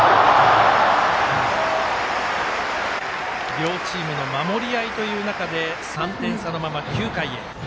両チームの守り合いという中で３点差の中９回へ。